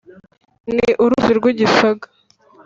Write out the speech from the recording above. ni uruzi rw’igisaga